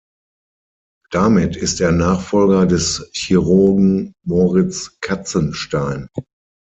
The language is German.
Damit ist er Nachfolger des Chirurgen Moritz Katzenstein.